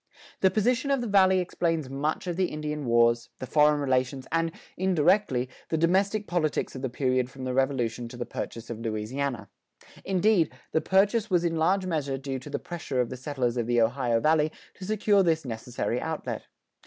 This position of the Valley explains much of the Indian wars, the foreign relations, and, indirectly, the domestic politics of the period from the Revolution to the purchase of Louisiana. Indeed, the purchase was in large measure due to the pressure of the settlers of the Ohio Valley to secure this necessary outlet.